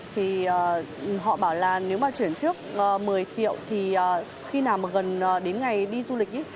thì họ bảo là nếu mà chuyển trước một mươi triệu thì khi nào mà gần đến ngày đi du lịch ấy